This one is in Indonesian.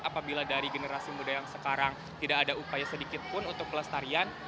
apabila dari generasi muda yang sekarang tidak ada upaya sedikit pun untuk pelestarian